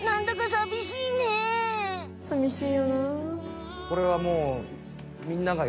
さみしいよな。